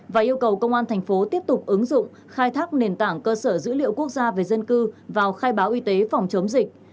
và yêu cầu công an thành phố tiếp tục ứng dụng khai thác nền tảng cơ sở dữ liệu quốc gia về dân cư vào khai báo y tế phòng chống dịch